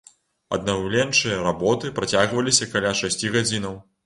Аднаўленчыя работы працягваліся каля шасці гадзінаў.